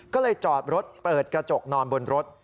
ก็เลยจอดรถเปิดกระจกนอนบนรถ